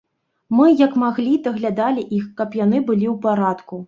Мы, як маглі, даглядалі іх, каб яны былі ў парадку.